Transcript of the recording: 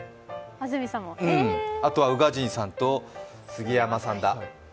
あとは宇賀神さんと杉山さんだ。